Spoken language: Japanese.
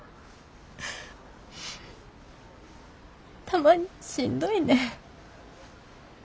たまにしんどいねん。